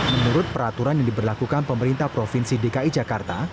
menurut peraturan yang diberlakukan pemerintah provinsi dki jakarta